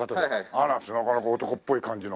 あらなかなか男っぽい感じの。